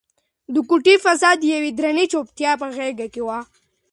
د کوټې فضا د یوې درنې چوپتیا په غېږ کې وه.